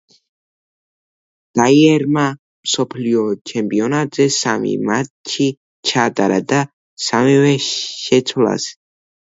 დაიერმა მსოფლიო ჩემპიონატზე სამი მატჩი ჩაატარა და სამივე შეცვლაზე.